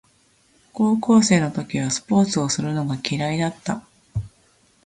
高校生の時はスポーツをするのが嫌いだった